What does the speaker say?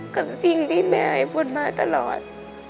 กับสิ่งที่แม่ไอ้ฝนมาตลอด